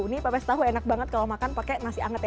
ini pepes tahu enak banget kalau makan pakai nasi anget ya